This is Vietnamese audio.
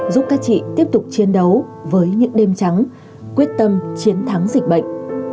giúp các chị tiếp tục chiến đấu với những đêm trắng quyết tâm chiến thắng dịch bệnh